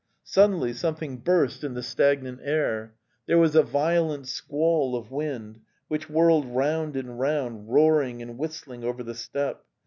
Sud denly something burst in the stagnant air; there was a violent squall of wind which whirled round and round, roaring and whistling over the steppe.